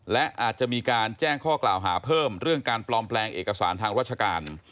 และอาจจะมีการแจ้งข้อกล่าวหาเพิ่มเรื่องการปลอมแปลงเอกสารทางราชการ